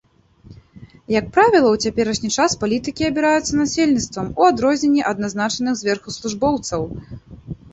Як правіла, у цяперашні час палітыкі абіраюцца насельніцтвам, у адрозненне ад назначаных зверху службоўцаў.